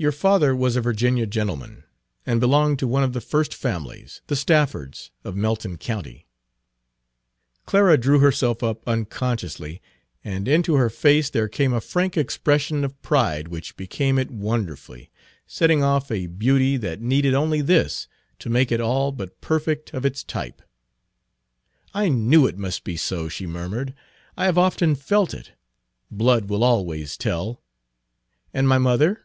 "Your father was a Virginia gentleman, and belonged to one of the first families, the Staffords, of Melton County." Page 53 Clara drew herself up unconsciously, and into her face there came a frank expression of pride which became it wonderfully, setting off a beauty that needed only this to make it all but perfect of its type. "I knew it must be so," she murmured. "I have often felt it. Blood will always tell. And my mother?"